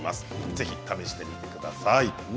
ぜひ試してください。